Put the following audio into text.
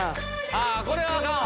これはアカンわ